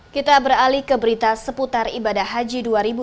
kita beralih ke berita seputar ibadah haji dua ribu dua puluh